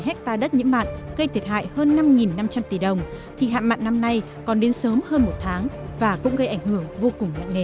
một trăm sáu mươi hectare đất nhiễm mặn gây thiệt hại hơn năm năm trăm linh tỷ đồng thì hạn mặn năm nay còn đến sớm hơn một tháng và cũng gây ảnh hưởng vô cùng nặng nề